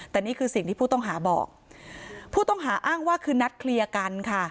แต่นี่คือสิ่งที่ผู้ต้องหาบอกผู้ต้องหาอ้างว่าคือนัดเคลียร์กันค่ะ